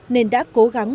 nên đã cố gắng